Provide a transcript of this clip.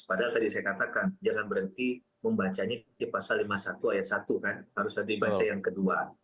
padahal tadi saya katakan jangan berhenti membacanya di pasal lima puluh satu ayat satu kan harus ada dibaca yang kedua